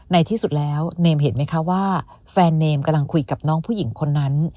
ในที่สุดแล้วเนมเห็นไหมคะว่าแฟนเนมกำลังคุยกับน้องผู้หญิงคนนั้น